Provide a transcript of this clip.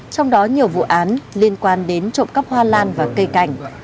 trong đó nhiều vụ án liên quan đến trộm cắp hoa lan và cây cảnh